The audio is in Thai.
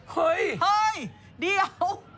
เฮ้ยเดี๋ยว